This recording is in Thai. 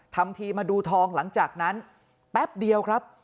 ทำทีมาดูทองหลังจากนั้นแป๊บเดียวครับ